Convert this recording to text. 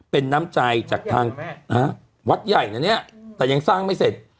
เป็นน้ำใจจากทางวัดใหญ่นะเนี่ยแต่ยังสร้างไม่เสร็จ